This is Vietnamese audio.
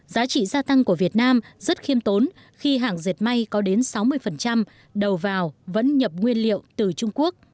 giá trị gia tăng của việt nam rất khiêm tốn khi hàng dệt may có đến sáu mươi đầu vào vẫn nhập nguyên liệu từ trung quốc